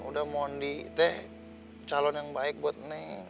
udah mandi teh calon yang baik buat neng